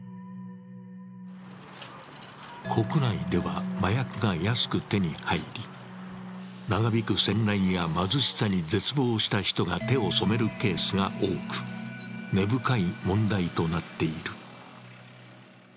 国内では麻薬が安く手に入り長引く戦乱や貧しさに絶望した人が手を染めるケースが多く、根深い問題となっている。